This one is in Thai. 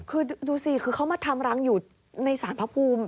คือดูสิคือเขามาทำรังอยู่ในสารพระภูมิ